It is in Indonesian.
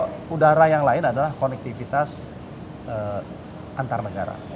kalau udara yang lain adalah konektivitas antar negara